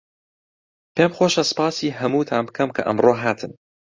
پێم خۆشە سپاسی هەمووتان بکەم کە ئەمڕۆ هاتن.